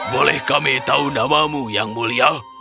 boleh kami tahu namamu yang mulia